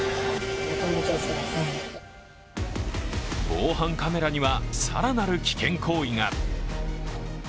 防犯カメラには更なる危険行為が。